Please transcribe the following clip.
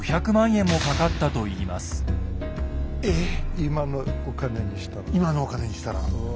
今のお金にしたら。